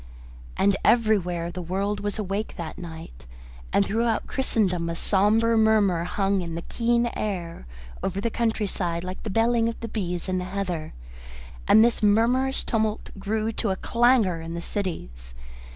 And everywhere the world was awake that night, and throughout Christendom a sombre murmur hung in the keen air over the country side like the belling of bees in the heather, and this murmurous tumult grew to a clangour in the cities.